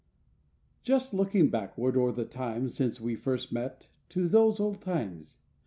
Just looking backward o'er the time Since we first met To those old times!